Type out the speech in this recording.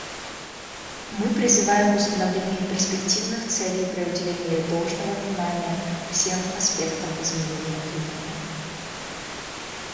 Мы призываем к установлению перспективных целей при уделении должного внимания всем аспектам изменения климата.